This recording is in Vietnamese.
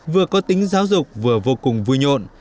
vừa có tính giáo dục vừa vô cùng vui nhộn